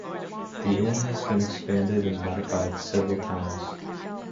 The Inn has been expanded and modified several times.